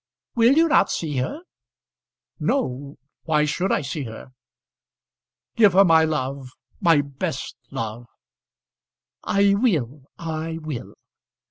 "Will you not see her?" "No. Why should I see her? Give her my love my best love " "I will I will."